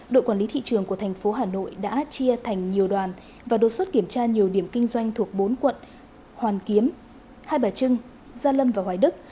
đội quản lý thị trường của thành phố hà nội đã chia thành nhiều đoàn và đột xuất kiểm tra nhiều điểm kinh doanh thuộc bốn quận hoàn kiếm hai bà trưng gia lâm và hoài đức